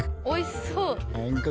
おいしそう！